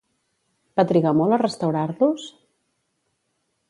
Va trigar molt a restaurar-los?